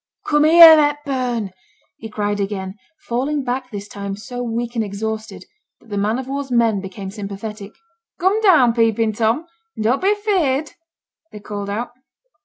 'Come here, Hepburn,' he cried again, falling back this time so weak and exhausted that the man of war's men became sympathetic. 'Come down, peeping Tom, and don't be afeared,' they called out.